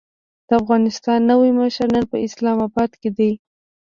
د افغانستان نوی مشر نن په اسلام اباد کې دی.